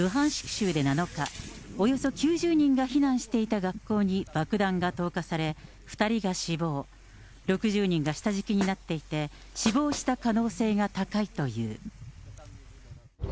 州で７日、およそ９０人が避難していた学校に爆弾が投下され、２人が死亡、６０人が下敷きになっていて、死亡した可能性が高いという。